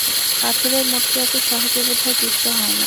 পাথরের মূর্তি এত সহজে বোধহয় তুষ্ট হয় না।